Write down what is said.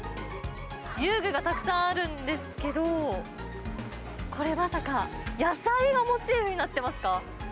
遊具がたくさんあるんですけど、これまさか、野菜がモチーフになってますか？